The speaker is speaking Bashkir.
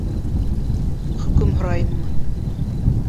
Хөкөм һорайыммы?!